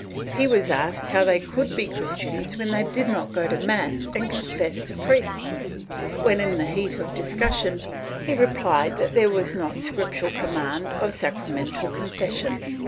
He was asked how they could be Christians when they did not go to mass and confess to priests, when, in the heat of dis cussion, he replied that there was not scriptural command of sacramental confession.